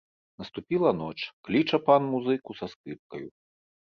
Наступіла ноч, кліча пан музыку са скрыпкаю.